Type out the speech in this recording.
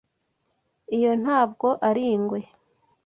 Iyo ntabwo ari ingwe.